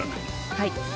はい。